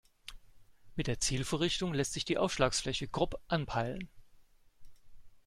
Mit der Zielvorrichtung lässt sich die Aufschlagsfläche grob anpeilen.